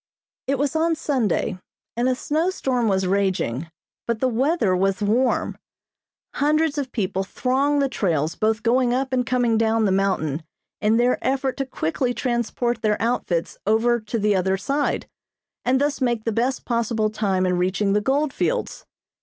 It was on Sunday, and a snow storm was raging, but the weather was warm. Hundreds of people thronged the trails both going up and coming down the mountain in their effort to quickly transport their outfits over to the other side, and thus make the best possible time in reaching the gold fields.